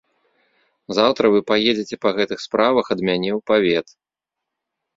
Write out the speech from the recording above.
Заўтра вы паедзеце па гэтых справах ад мяне ў павет.